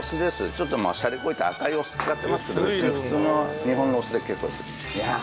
ちょっとまあしゃれこいて赤いお酢使ってますけど普通の日本のお酢で結構です。